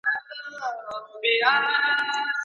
باندي اوښتي وه تر سلو اضافه کلونه